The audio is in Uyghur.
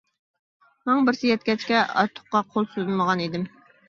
ماڭا بىرسى يەتكەچكە ئارتۇققا قول سوزمىغان ئىدىم.